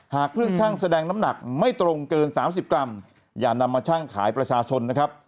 หากเครื่องชั่งแสดงน้ำหนักไม่ตรงเกิน๓๐กรัมอย่านำมาชั่งขายประชาชนนะครับ